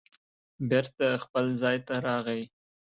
بېرته خپل ځای ته راغی